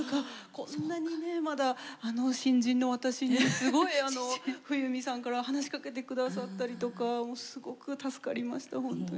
こんなにねまだ新人の私にすごい冬美さんから話しかけて下さったりとかすごく助かりましたほんとに。